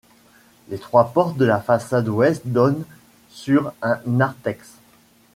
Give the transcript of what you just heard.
Les trois portes de la façade ouest donnent sur un narthex.